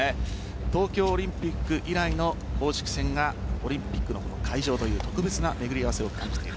東京オリンピック以来の公式戦がオリンピックの会場という特別な巡り合わせを感じている。